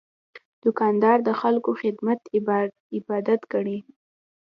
دوکاندار د خلکو خدمت عبادت ګڼي.